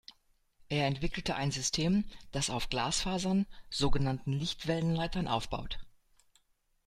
Er entwickelte ein System, das auf Glasfasern, sogenannten Lichtwellenleitern aufbaut.